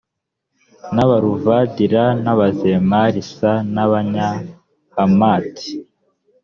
n abaruvadi r n abazemari s n abanyahamati